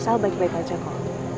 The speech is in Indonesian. atau sama mas albaik baik aja kok